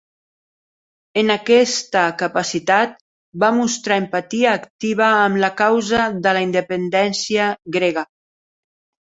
En aquesta capacitat, va mostrar empatia activa amb la causa de la independència grega.